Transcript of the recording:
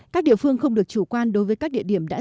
các địa phương không được chủ quan đối với các địa điểm đã di dân